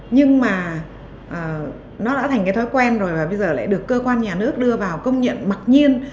nhưng mà nó đã thành cái thói quen rồi và bây giờ lại được cơ quan nhà nước đưa vào công nhận mặc nhiên